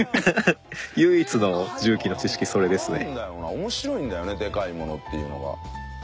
面白いんだよねでかいものっていうのは。